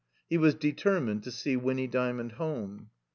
He was determined to see Winny D)miond home.